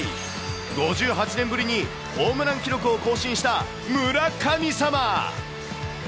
５８年ぶりにホームラン記録を更新した村神様。